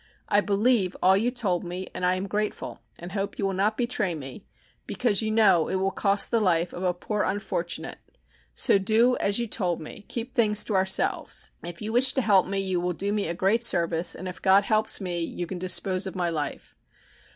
I believe all you told me and I am grateful, and hope you will not betray me, because you know it will cost the life of a poor unfortunate, so do as you told me, keep things to ourselves, if you wish to help me you will do me a great service, and if God helps me, you can dispose of my life.